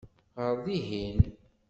Ɣer dihin!